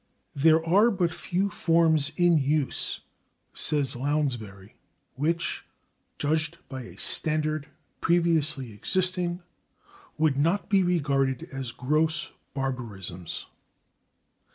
"There are but few forms in use," says Lounsbury, "which, judged by a standard previously existing, would not be regarded as gross barbarisms."